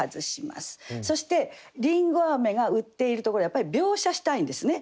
そしてりんごが売っているところをやっぱり描写したいんですね。